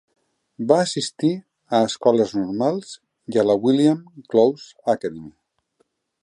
Va assistir a escoles normals i a la William Closs Academy.